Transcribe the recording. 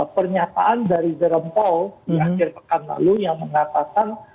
pernyataan dari jerome pow di akhir pekan lalu yang mengatakan